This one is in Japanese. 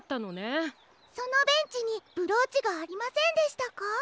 そのベンチにブローチがありませんでしたか？